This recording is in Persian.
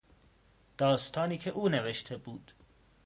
داستانی که او نوشته بود